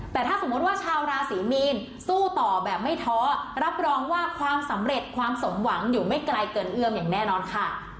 แต่ถ้าสมมุติว่าชาวราศีมีนสู้ต่อแบบไม่ท้อรับรองว่าความสำเร็จความสมหวังอยู่ไม่ไกลเกินเอื้อมอย่างแน่นอนค่ะ